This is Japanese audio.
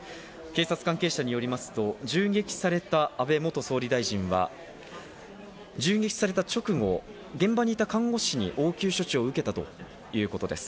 警察関係者によりますと銃撃された安倍元総理大臣は銃撃された直後、現場にいた看護師に応急処置を受けたということです。